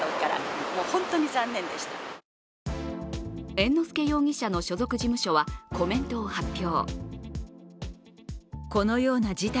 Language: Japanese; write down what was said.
猿之助容疑者の所属事務所はコメントを発表。